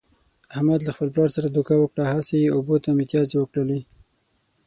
احمد له خپل پلار سره دوکه وکړه، هسې یې اوبو ته متیازې و کړلې.